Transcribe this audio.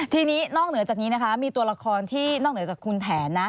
ทีนี้นอกเหนือจากนี้นะคะมีตัวละครที่นอกเหนือจากคุณแผนนะ